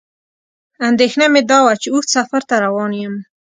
اندېښنه مې دا وه چې اوږد سفر ته روان یم.